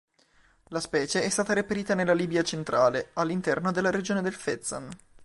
La specie è stata reperita nella Libia centrale: all'interno della regione del Fezzan.